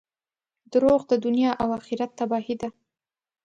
• دروغ د دنیا او آخرت تباهي ده.